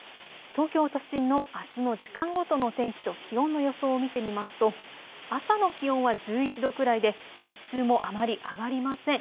東京都心のあすの時間ごとの天気と気温の予想を見てみますと朝の気温は１１度くらいで日中もあまり上がりません。